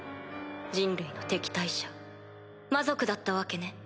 人類の敵対者魔族だったわけね。